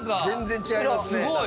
全然違いますね。